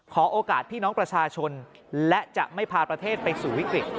ขอโอกาสพี่น้องประชาชนและจะไม่พาประเทศไปสู่วิกฤต